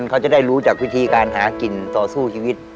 เขาจะได้รู้จากวิธีการหากินต่อสู้ชีวิต